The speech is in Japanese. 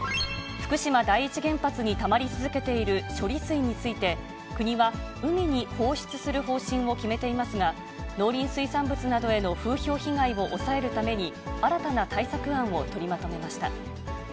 福島第一原発にたまり続けている処理水について、国は、海に放出する方針を決めていますが、農林水産物などへの風評被害を抑えるために、新たな対策案を取りまとめました。